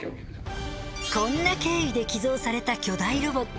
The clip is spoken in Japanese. こんな経緯で寄贈された巨大ロボット。